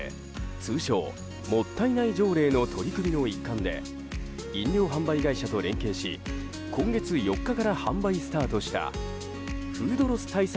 通称もったいない条例の取り組みの一環で飲料販売会社と連携し今月４日から販売スタートしたフードロス対策